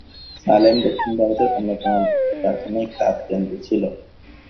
সালেম দক্ষিণ ভারতের অন্যতম প্রাথমিক তাঁত কেন্দ্র ছিল।